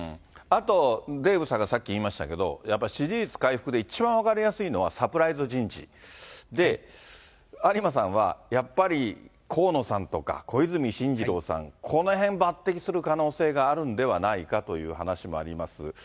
あとデーブさんがさっき言いましたけれども、やっぱり支持率回復で一番分かりやすいのはサプライズ人事で、有馬さんはやっぱり河野さんとか、小泉進次郎さん、このへん抜てきする可能性があるんではないかという話もあります。